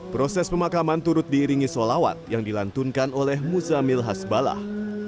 proses pemakaman turut diiringi solawat yang dilantunkan oleh muzamil hasbalah